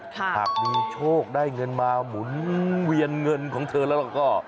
หากมีโชคได้เงินมาหมุนเวียนเงินของเธอแล้วก็